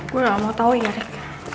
gue gak mau tau ya rik